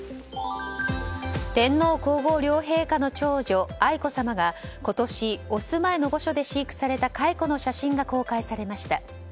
天皇・皇后両陛下の長女愛子さまが今年、お住まいの御所で飼育された蚕の写真が公開されました。